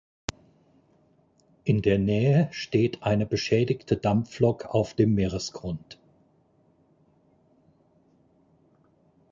In der Nähe steht eine beschädigte Dampflok auf dem Meeresgrund.